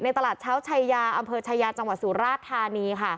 ตลาดเช้าชายาอำเภอชายาจังหวัดสุราชธานีค่ะ